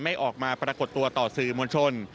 ไม่ออกมาปรากฏตัวต่อสื่อมวลชน